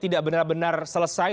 tidak benar benar selesai